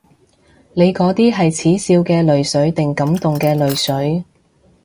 你嗰啲係恥笑嘅淚水定感動嘅淚水？